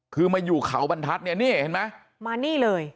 คือมาอยู่เขาบรรทัศน์เนี่ยนี่เห็นไหมมานี่เลย